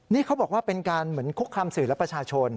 นี่เขาบอกว่าเป็นการเหมือนคุกคามสื่อและประชาชน